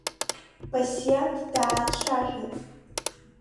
Басиаҭ даацәажәан…